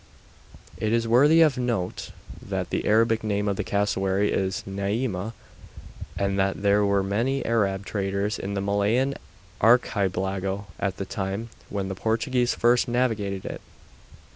It is worthy of note that the Arabic name of the cassowary is 'neâma', and that there were many Arab traders in the Malayan Archipelago at the time when the Portuguese first navigated it.